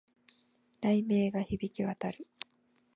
雷鳴が響き渡る